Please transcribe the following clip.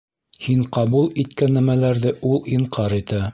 Һин ҡабул иткән нәмәләрҙе ул инҡар итә.